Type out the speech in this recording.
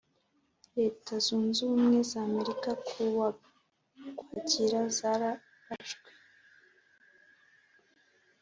leta zunze Ubumwe z Amerika ku wa Ukwakira zararashwe